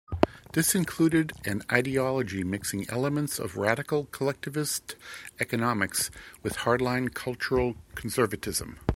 This included an ideology mixing elements of radical collectivist economics with hardline cultural conservatism.